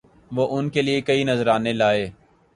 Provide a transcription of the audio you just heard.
وہ ان کے لیے کئی نذرانے لائے